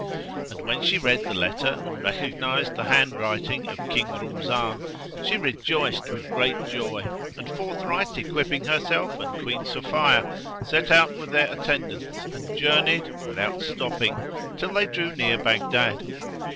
And when she read the letter and recognised the handwriting of King Rumzan, she rejoiced with great joy and forthright equipping herself and Queen Sophia, set out with their attendants and journeyed, without stopping, till they drew near Baghdad.